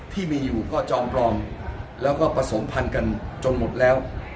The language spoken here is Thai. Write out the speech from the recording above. ที่มีอยู่ก็จอมปลอมแล้วก็ผสมพันธุ์กันจนหมดแล้ว